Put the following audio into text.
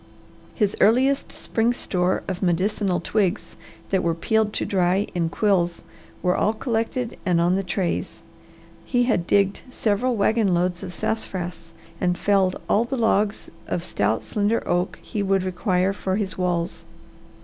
His earliest spring store of medicinal twigs, that were peeled to dry in quills, were all collected and on the trays; he had digged several wagon loads of sassafras and felled all the logs of stout, slender oak he would require for his walls.